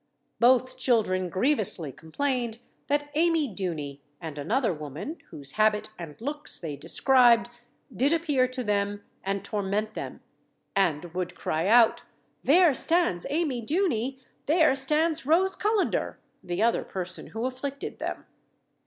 Both children grievously complained that Amy Duny and another woman, whose habit and looks they described, did appear to them and torment them, and would cry out, 'There stands Amy Duny! There stands Rose Cullender!' the other person who afflicted them.